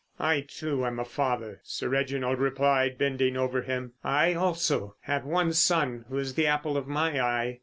"I, too, am a father," Sir Reginald replied, bending over him. "I also have one son who is the apple of my eye.